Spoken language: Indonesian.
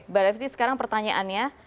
berarti sekarang pertanyaannya